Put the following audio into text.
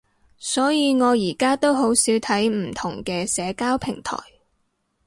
所以我而家都好少睇唔同嘅社交平台